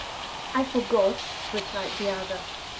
"I forgot," replied the other.